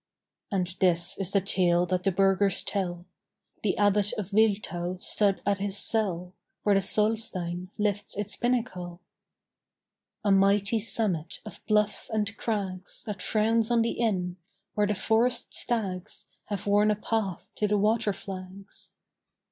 And this is the tale that the burghers tell: The Abbot of Wiltau stood at his cell Where the Solstein lifts its pinnacle. A mighty summit of bluffs and crags That frowns on the Inn; where the forest stags Have worn a path to the water flags.